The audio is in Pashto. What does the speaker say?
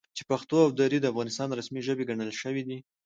چې پښتو او دري د افغانستان رسمي ژبې ګڼل شوي دي،